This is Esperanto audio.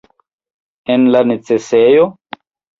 En la necesejo?